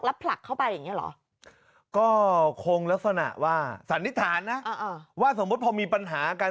แล้วผลักเข้าไปอย่างนี้เหรอก็คงลักษณะว่าสันนิษฐานนะว่าสมมุติพอมีปัญหากัน